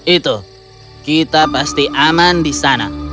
itu kita pasti aman di sana